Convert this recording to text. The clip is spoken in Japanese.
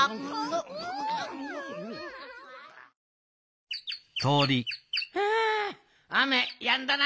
うん！はああめやんだな。